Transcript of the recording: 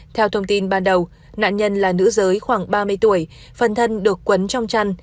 theo thông tin ban đầu nạn nhân là nữ giới khoảng ba mươi tuổi phần thân được quấn trong chăn